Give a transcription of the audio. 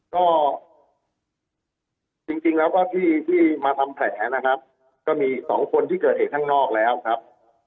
ก็จริงแล้วก็ที่มาทำแผลนะครับก็มีสองคนที่เกิดเหตุข้างนอกแล้วครับ